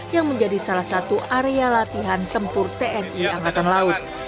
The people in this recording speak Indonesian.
yang menjadi salah satu area latihan tempur tni angkatan laut